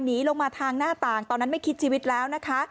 หนีลงมาทางหน้าต่างตอนนั้นไม่คิดชีวิตแล้วนะคะ